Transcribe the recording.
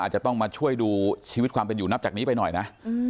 อาจจะต้องมาช่วยดูชีวิตความเป็นอยู่นับจากนี้ไปหน่อยนะ